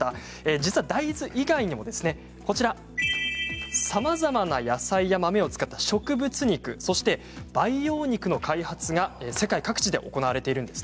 実は大豆以外にもさまざまな野菜や豆を使った植物肉そして培養肉の開発が世界各地で行われているんです。